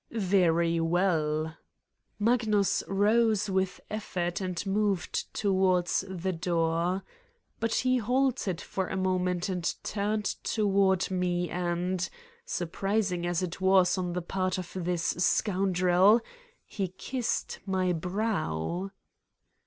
"Very well" Magnus rose with effort and moved toward the door. But he halted for a moment and turned toward me and surprising as it was on the part of this scoundrel he kissed my brow.